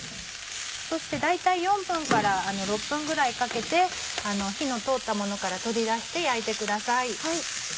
そして大体４分から６分ぐらいかけて火の通ったものから取り出して焼いてください。